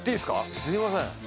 すいません。